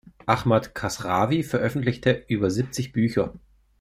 Ahmad Kasravi veröffentlichte über siebzig Bücher.